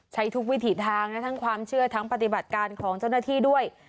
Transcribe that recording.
ใช้ทุกวิถีทางนะทั้งความเชื่อทั้งปฏิบัติการของเจ้าหน้าที่ด้วย